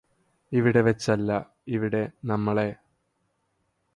ഇവിടെ വച്ചല്ല ഇവിടെ നമ്മളെ